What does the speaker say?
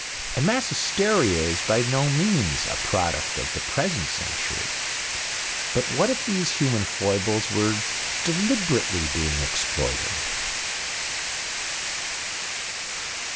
And mass hysteria is by no means a product of the present century. But what if these human foibles were deliberately being exploited?